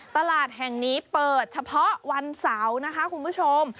ตลาดแห่งนี้เปิดเฉพาะวันเสาร์นะคะคุณผู้ชม